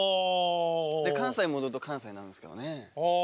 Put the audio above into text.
で関西戻ると関西になるんですけどね。